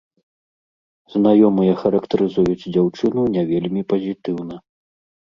Знаёмыя характарызуюць дзяўчыну не вельмі пазітыўна.